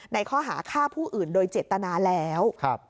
ในข้อหาฆ่าผู้อื่นโดยเจตนาแล้ว